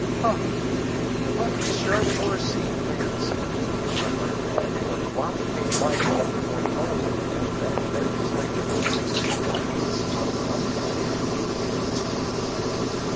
"Hum! Well, you surely were seeing things," murmured Ned, but, while he made light of what the boy told him, the young bank clerk was thinking: "What is Tom up to now?"